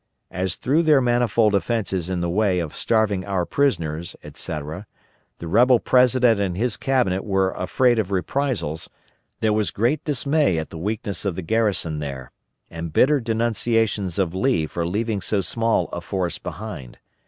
As through their manifold offences in the way of starving our prisoners, etc., the rebel President and his cabinet were afraid of reprisals, there was great dismay at the weakness of the garrison there, and bitter denunciations of Lee for leaving so small a force behind.